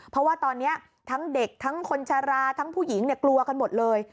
เพราะว่าตอนนี้ทั้งเด็กทั้งคนชะลาทั้งผู้หญิงกลัวกันหมดเลย